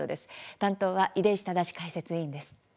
担当は出石直解説委員です。